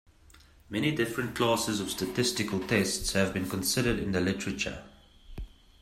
Many different classes of statistical tests have been considered in the literature.